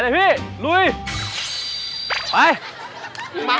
แรกดีไหมพ่อ